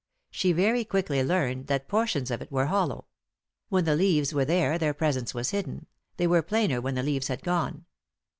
She very quickly learned that portions of it were hollow; when the leaves were there their presence was hidden, they were plainer when the leaves had gone.